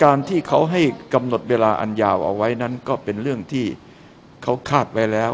การที่เขาให้กำหนดเวลาอันยาวเอาไว้นั้นก็เป็นเรื่องที่เขาคาดไว้แล้ว